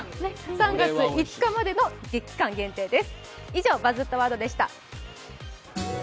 ３月５日までの期間限定です。